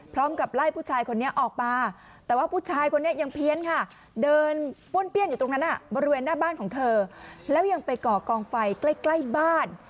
พร้อมกับไล่ผู้ชายคนนี้ออกมาแต่ว่าผู้ชายคนนี้ยังเพี้ยนค่ะเดินป้วนเปี้ยนอยู่ตรงนั้นบริเวณหน้าบ้านของเธอแล้วยังไปก่อกองไฟใกล้บ้าน